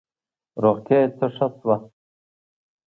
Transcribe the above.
روغتیا یې څه ښه شوه.